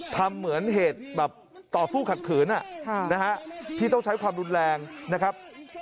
ทำเหมือนเหตุแบบต่อสู้ขัดขืนที่ต้องใช้ความรุนแรงนะครับ